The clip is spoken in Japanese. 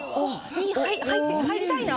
２位入りたいな。